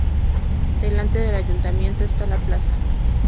Delante del Ayuntamiento está la plaza.